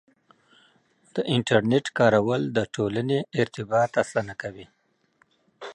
د انټرنیټ کارول د ټولنې ارتباط اسانه کوي.